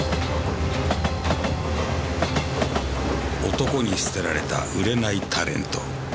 男に捨てられた売れないタレント。